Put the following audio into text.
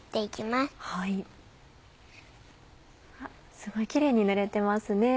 すごいキレイに塗れてますね。